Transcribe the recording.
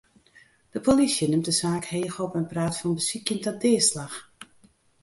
De polysje nimt de saak heech op en praat fan besykjen ta deaslach.